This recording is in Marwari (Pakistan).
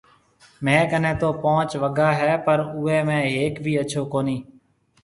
ميه ڪنَي تو پونچ وگا هيَ پر اوَي ۾ هيَڪ بي اڇو ڪونَي۔